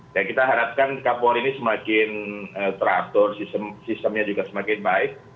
dan kita harapkan kapolri ini semakin teratur sistemnya juga semakin baik